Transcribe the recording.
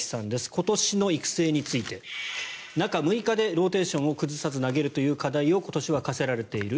今年の育成について中６日でローテーションを崩さずに投げるという課題を今年は課せられている。